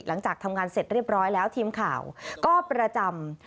หลังจากทำงานเสร็จเรียบร้อยแล้วทีมข่าวก็ประจำ